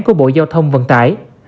của bộ giao thông vận tải